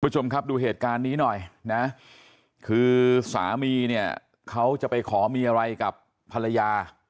คุณผู้ชมครับดูเหตุการณ์นี้หน่อยนะคือสามีเนี่ยเขาจะไปขอมีอะไรกับภรรยา